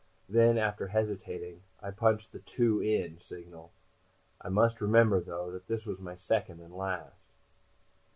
Then, after hesitating, I punched the "two in" signal. I must remember, though, that this was my second and last.